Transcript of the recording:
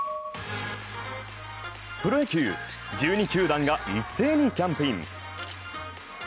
プロ野球１２球団が一斉にキャンプイン。